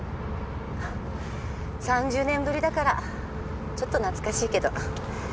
３０年ぶりだからちょっと懐かしいけど。